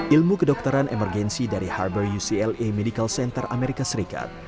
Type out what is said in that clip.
ilmu kedokteran emergensi dari harbor ucla medical center amerika serikat